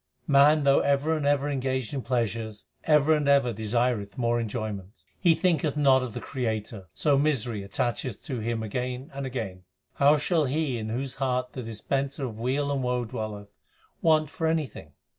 Man though ever and ever engaged in pleasures, ever and ever desireth more enjoyment. He thinketh not of the Creator, so misery attacheth to him again and again. How shall he in whose heart the Dispenser ot weal and woe I dwelleth, want for anything